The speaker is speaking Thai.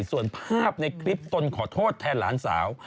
ส่วนภาพในคลิปตนขอโทษแทนหลานสาว